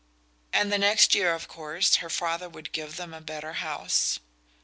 And the next year of course her father would give them a better house.